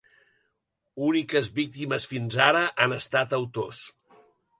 Úniques víctimes fins ara han estat autors.